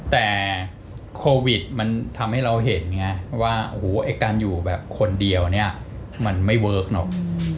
แต่โควิดมันทำให้เราเห็นไงว่าการอยู่แบบคนเดียวมันไม่เวิร์ค